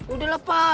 udah lah pak